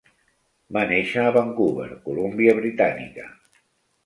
Va néixer a Vancouver, Columbia Britànica.